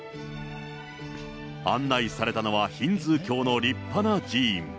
案内されたのは、ヒンズー教の立派な寺院。